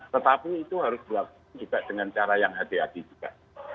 tetapi itu harus dilakukan juga dengan cara yang hati hati juga